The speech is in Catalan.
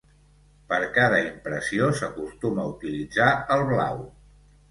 Per cada impressió s'acostuma a utilitzar el blau.